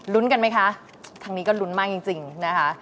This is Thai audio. ลุ้นกันไหมคะครั้งนี้ก็ลุ้นมากจริงนะคะ